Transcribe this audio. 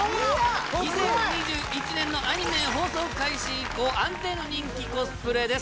２０２１年のアニメ放送開始以降安定の人気コスプレです